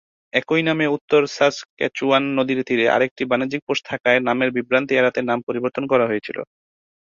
একই নামে উত্তর সাসক্যাচুয়ান নদীর তীরে আরেকটি বাণিজ্যিক পোস্ট থাকায় নামের বিভ্রান্তি এড়াতে নাম পরিবর্তন করা হয়েছিল।